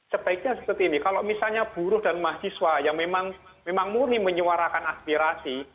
sebaiknya seperti ini kalau misalnya buruh dan mahasiswa yang memang murni menyuarakan aspirasi